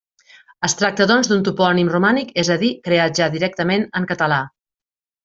Es tracta, doncs, d'un topònim romànic, és a dir, creat ja directament en català.